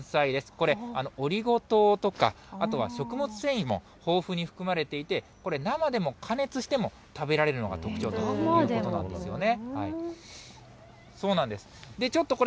これ、オリゴ糖とか、あとは食物繊維も豊富に含まれていて、生でも加熱しても食べられるのが特徴ということなんですよね。